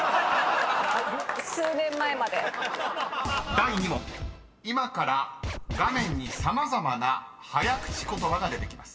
［第２問今から画面に様々な早口言葉が出てきます］